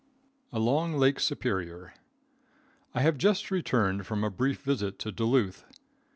Along Lake Superior. I have just returned from a brief visit to Duluth.